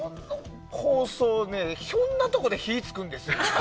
ひょんなところで火が付くんですよね。